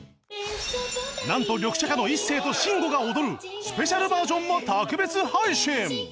なんとリョクシャカの壱誓と真吾が踊るスペシャルバージョンも特別配信！